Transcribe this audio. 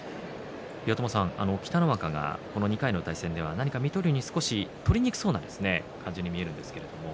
北の若が、この２回の対戦では水戸龍に少し取りにくそうな感じに見えるんですけれども。